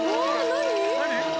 何？